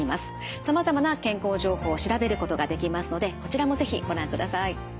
さまざまな健康情報を調べることができますのでこちらも是非ご覧ください。